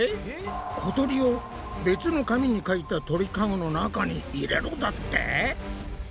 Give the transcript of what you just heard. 小鳥を別の紙にかいた鳥かごの中に入れろだって？